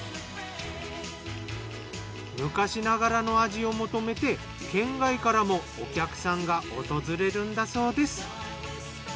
昔ながらの味を求めて県外からもお客さんが訪れるんだそうです。